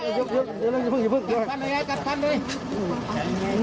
เอาขาเอาขาข้างล่างดิ